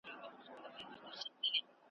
یو ناڅاپه غشی ورغی له مځکي `